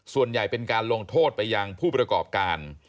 ส่วนใหญ่เป็นการลงโทษไปยังผู้ประกอบการ